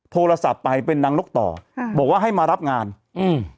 โทรศัพท์ไปเป็นนางนกต่อค่ะบอกว่าให้มารับงานอืม